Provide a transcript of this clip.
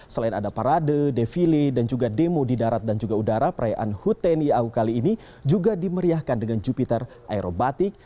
selain ada parade defile dan juga demo di darat dan juga udara perayaan hut tni au kali ini juga dimeriahkan dengan jupiter aerobatik